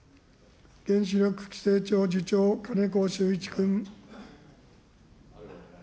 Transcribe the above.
原子力規制庁次長、金子修一君。